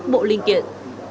hai mươi một bộ linh kiện